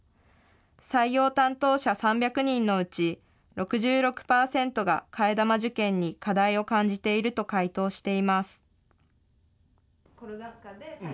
採用担当者３００人のうち、６６％が替え玉受検に課題を感じていると回答しています。